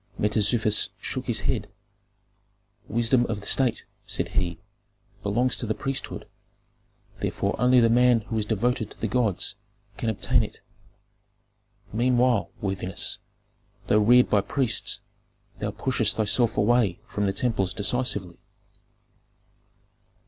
Mentezufis shook his head. "Wisdom of the state," said he, "belongs to the priesthood; therefore only the man who is devoted to the gods can obtain it. Meanwhile, worthiness, though reared by priests, thou pushest thyself away from the temples decisively."